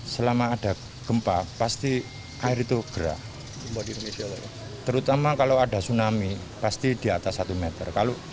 selama ada gempa pasti air itu gerak terutama kalau ada tsunami pasti di atas satu meter kalau